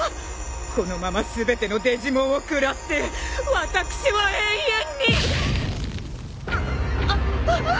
このまま全てのデジモンを食らって私は永遠にうっあっ。